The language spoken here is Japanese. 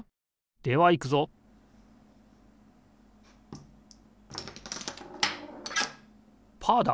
ではいくぞパーだ！